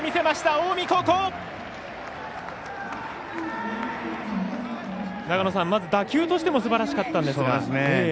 まず打球としてもすばらしかったんですが。